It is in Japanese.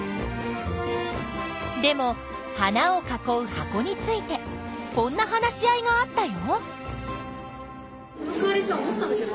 でも花を囲う箱についてこんな話し合いがあったよ。